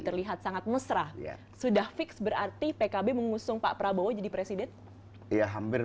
terlihat sangat mesra sudah fix berarti pkb mengusung pak prabowo jadi presiden ya hampir